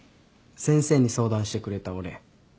先生に相談してくれたお礼。